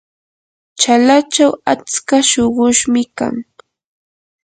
chalachaw atsa shuqushmi kan.